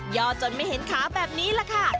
อดจนไม่เห็นขาแบบนี้แหละค่ะ